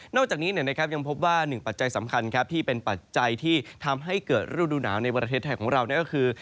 อกจากนี้ยังพบว่าหนึ่งปัจจัยสำคัญที่เป็นปัจจัยที่ทำให้เกิดฤดูหนาวในประเทศไทยของเราก็คือ